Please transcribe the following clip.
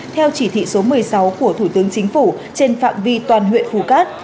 theo chỉ thị số một mươi sáu của thủ tướng chính phủ trên phạm vi toàn huyện phù cát